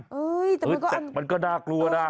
เฮ้ยแต่มันก็มันก็น่ากลัวนะ